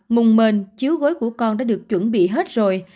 mùng mên chiếu gối của con đã được chuẩn bị hết rồi